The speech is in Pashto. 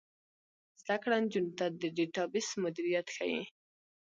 زده کړه نجونو ته د ډیټابیس مدیریت ښيي.